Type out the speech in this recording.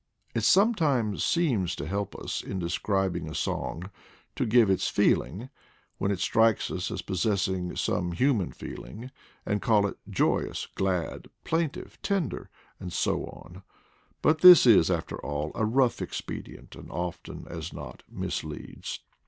It sometimes seems to help us, in describing a song, to give its feeling, when it strikes us as possessing some human feeling, and call it joyous, glad, plaintive, tender, and so on; but this is, after all, a rough expedient, and, often as not, misleads.